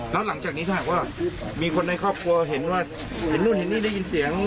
แล้วหลังจากนี้ถ้าหากว่ามีคนในครอบครัวเห็นว่าเห็นนู่นเห็นนี่ได้ยินเสียง